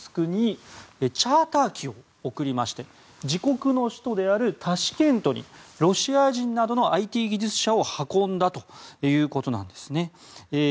チャーター機を送りまして自国の首都であるタシケントにロシア人などのＩＴ技術者を運んだということなんですね。